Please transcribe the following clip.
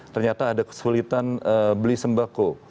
ternyata ada kesulitan beli sembako